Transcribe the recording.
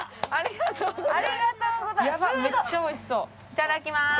いただきます。